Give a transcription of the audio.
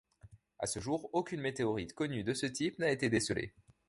À ce jour aucune météorite connue de ce type n'a été décelée.